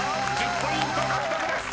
１０ポイント獲得です］